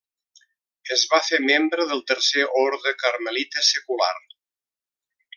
Es va fer membre del Tercer Orde Carmelita secular.